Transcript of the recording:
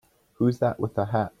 Who's that with the hat?